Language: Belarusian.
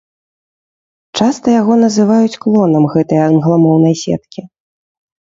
Часта яго называюць клонам гэтай англамоўнай сеткі.